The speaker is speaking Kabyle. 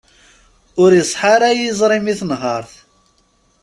Ur iṣeḥḥa ara yiẓri-m i tenhert.